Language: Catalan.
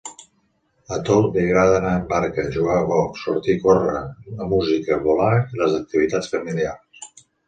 A Thuot li agrada anar en barca, jugar al golf, sortir a córrer, la música, volar i les activitats familiars.